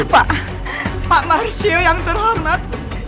pak pak marsio yang terhormat